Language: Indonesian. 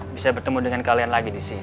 bisa bertemu dengan kalian lagi disini